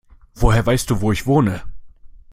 Woher weißt du, wo ich wohne?